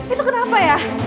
itu kenapa ya